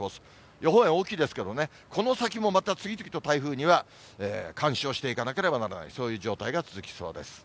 予報円大きいですけどね、この先もまた次々と台風にはかんしょうしていかなければならない、そういう状態が続きそうです。